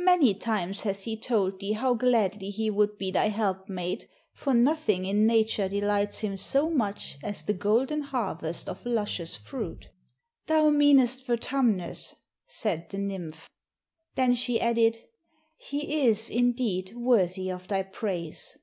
Many times has he told thee how gladly he would be thy helpmate, for nothing in nature delights him so much as the golden harvest of luscious fruit." "Thou meanest Vertumnus," said the nymph. Then she added, "He is, indeed, worthy of thy praise."